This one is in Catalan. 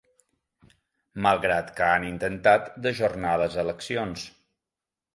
Malgrat que han intentat d’ajornar les eleccions.